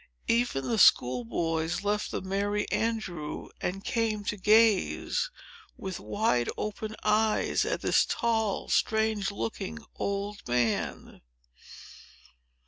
Even the school boys left the Merry Andrew, and came to gaze, with wide open eyes, at this tall, strange looking old man.